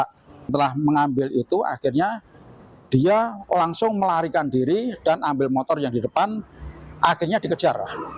setelah mengambil itu akhirnya dia langsung melarikan diri dan ambil motor yang di depan akhirnya dikejar